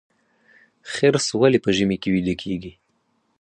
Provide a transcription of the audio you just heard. خرس ولې په ژمي کې ویده کیږي؟